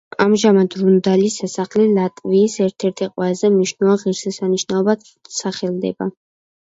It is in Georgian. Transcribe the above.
ამჟამად რუნდალის სასახლე ლატვიის ერთ-ერთ ყველაზე მნიშვნელოვან ღირსშესანიშნაობად სახელდება.